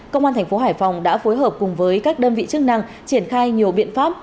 công an thành phố hải phòng đã phối hợp cùng với các đơn vị chức năng triển khai nhiều biện pháp